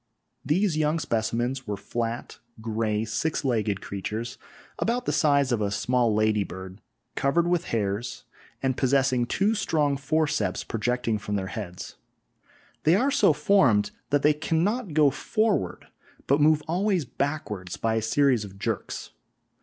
These young specimens were flat, grey, six legged creatures about the size of a small lady bird, covered with hairs, and possessing two strong forceps projecting from their heads. They are so formed that they cannot go forward, but move always backward by a series of jerks.